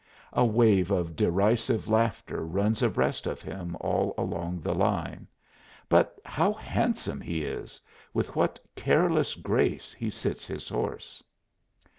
A wave of derisive laughter runs abreast of him all along the line. But how handsome he is! with what careless grace he sits his horse!